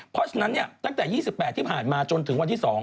เพราะฉะนั้นตั้งแต่๒๘ที่ผ่านมาจนถึงวันที่๒